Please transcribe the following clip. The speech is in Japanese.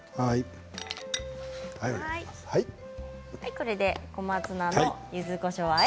これで小松菜のゆずこしょうあえ